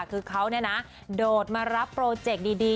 คือเขาเนี่ยนะโดดมารับโปรเจกต์ดี